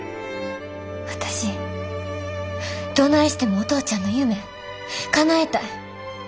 私どないしてもお父ちゃんの夢かなえたい。